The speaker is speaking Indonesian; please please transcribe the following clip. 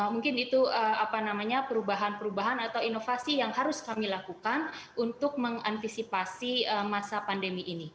mungkin itu apa namanya perubahan perubahan atau inovasi yang harus kami lakukan untuk mengantisipasi masa pandemi ini